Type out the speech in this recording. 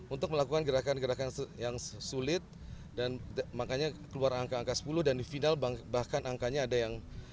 untuk melakukan gerakan gerakan yang sulit dan makanya keluar angka angka sepuluh dan di final bahkan angkanya ada yang